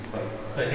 はい。